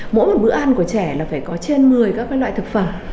mỗi một bữa ăn của trẻ là phải có trên một mươi các loại thực phẩm